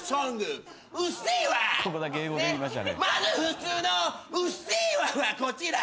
まず普通の『うっせぇわ』はこちら。